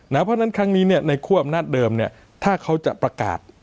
แล้วเพราะฉะนั้นครั้งนี้เนี้ยในคู่อำนาจเดิมเนี้ยถ้าเขาจะประกาศ